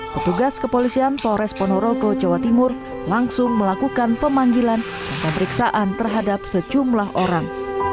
petugas kepolisian tores ponorogo jawa timur langsung melakukan pemanggilan dan pemeriksaan terhadap sejumlah orang